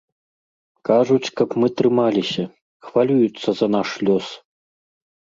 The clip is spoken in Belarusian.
Кажуць, каб мы трымаліся, хвалююцца за наш лёс.